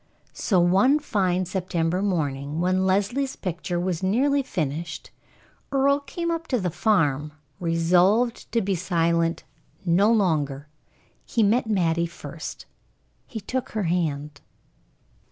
So one fine September morning, when Leslie's picture was nearly finished, Earle came up to the farm, resolved to be silent no longer. He met Mattie first. He took her hand.